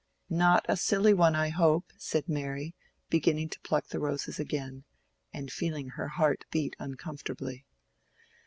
"Not a silly one, I hope," said Mary, beginning to pluck the roses again, and feeling her heart beat uncomfortably.